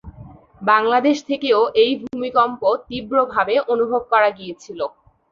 বাংলাদেশ থেকেও এই ভূমিকম্প তীব্রভাবে অনুভব করা গিয়েছিল।